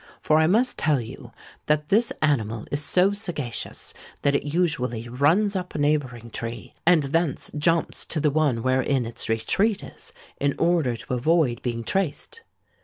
For, I must tell you, that this animal is so sagacious, that it usually runs up a neighbouring tree and thence jumps to the one wherein its retreat is, in order to avoid being traced.